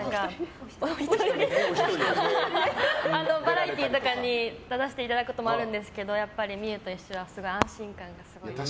１人でバラエティーとかに出させていただくことも多いんですけど望結と一緒はすごい安心感が。